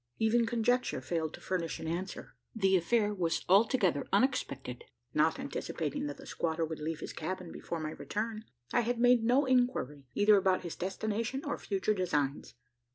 Even conjecture failed to furnish an answer. The affair was altogether unexpected. Not anticipating that the squatter would leave his cabin before my return, I had made no inquiry either about his destination or future designs.